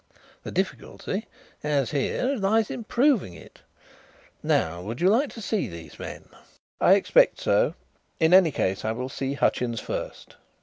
The difficulty, as here, lies in proving it. Now, you would like to see these men?" "I expect so; in any case, I will see Hutchins first."